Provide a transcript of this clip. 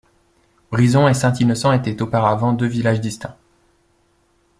Brison et Saint-Innocent étaient auparavant deux villages distincts.